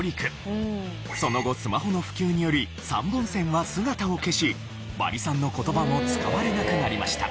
その後スマホの普及により３本線は姿を消しバリ３の言葉も使われなくなりました。